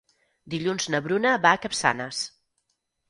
Dilluns na Bruna va a Capçanes.